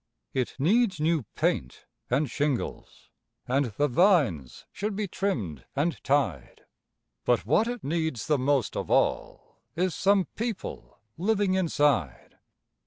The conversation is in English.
It needs new paint and shingles, and the vines should be trimmed and tied; But what it needs the most of all is some people living inside.